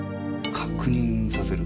確認させる？